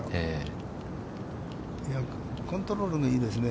コントロールがいいですね。